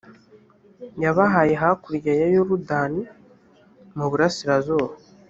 yabahaye hakurya ya yorudani, mu burasirazuba.